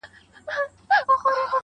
جنون د حسن پر امساء باندې راوښويدی_